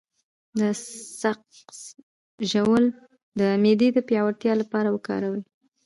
د سقز ژوول د معدې د پیاوړتیا لپاره وکاروئ